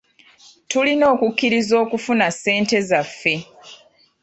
Tulina okukkiriza okufuna ssente zaffe.